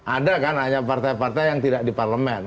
ada kan hanya partai partai yang tidak di parlemen